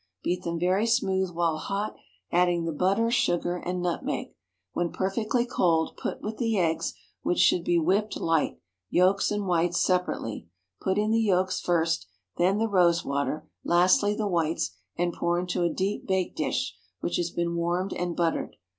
Beat them very smooth while hot, adding the butter, sugar, and nutmeg. When perfectly cold, put with the eggs, which should be whipped light, yolks and whites separately. Put in the yolks first, then the rose water, lastly the whites, and pour into a deep bake dish, which has been warmed and buttered.